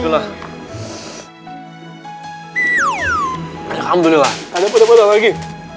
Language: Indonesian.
alhamdulillah pakde pakde pakde lagi